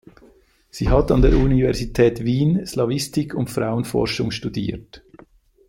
Sie hat an der Universität Wien Slawistik und Frauenforschung studiert.